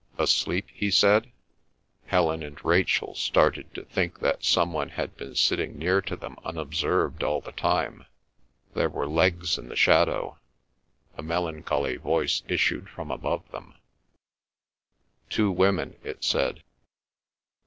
"Asleep?" he said. Helen and Rachel started to think that some one had been sitting near to them unobserved all the time. There were legs in the shadow. A melancholy voice issued from above them. "Two women," it said.